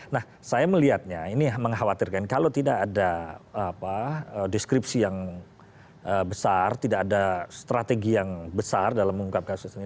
nah saya melihatnya ini mengkhawatirkan kalau tidak ada deskripsi yang besar tidak ada strategi yang besar dalam mengungkap kasus ini